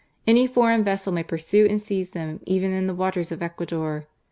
Any foreign vessel may pursue and seize them even in the waters of Ecuador.